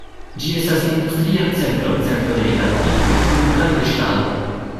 Ĝi estas industria centro, centro de metalurgio kaj produktado de ŝtalo.